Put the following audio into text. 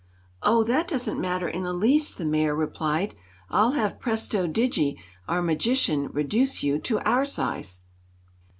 "Oh, that doesn't matter in the least," the Mayor replied. "I'll have Presto Digi, our magician, reduce you to our size."